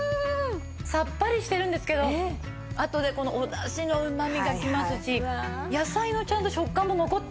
さっぱりしてるんですけどあとでこのお出汁のうまみがきますし野菜のちゃんと食感も残ってるんですね。